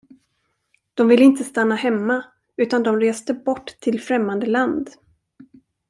De ville inte stanna hemma, utan de reste bort till främmande land.